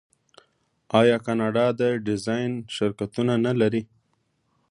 آیا کاناډا د ډیزاین شرکتونه نلري؟